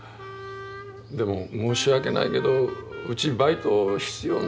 でも申し訳ないけどうちバイト必要ないのよ。